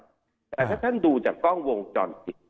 แต่ถ้าท่านดูจากกล้องวงจรปิด